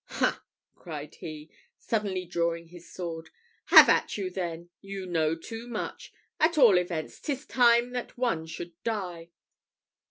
"Ha!" cried he, suddenly drawing his sword, "have at you then. You know too much! At all events, 'tis time that one should die."